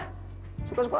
terima kasih tuanku